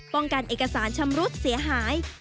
กันเอกสารชำรุดเสียหาย